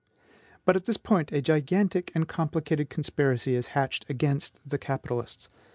But at this point a gigantic and complicated conspiracy is hatched against the capitalists.